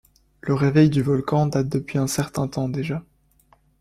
Le réveil du volcan date depuis un certain temps déjà.